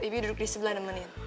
bi duduk di sebelah nemenin